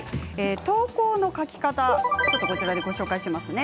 投稿の書き方をご紹介しますね。